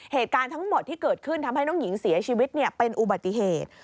เหตุการณ์ทั้งหมดที่เกิดขึ้นทำให้น้องหญิงเสียชีวิตเป็นอุบัติเหตุ